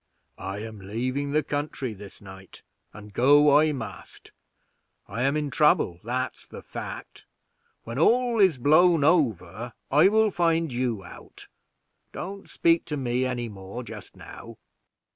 "I am leaving the country this night, and I must go. I am in trouble, that's the fact; when all is blown over, I will find you out. Don't speak to me any more just now."